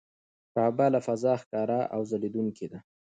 کعبه له فضا ښکاره او ځلېدونکې ده.